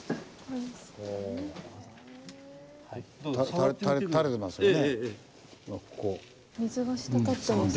垂れてますよね。